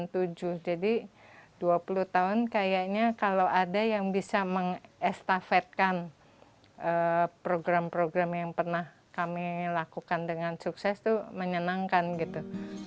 tujuh jadi dua puluh tahun kayaknya kalau ada yang bisa mengestafetkan program program yang pernah kami lakukan dengan sukses itu menyenangkan gitu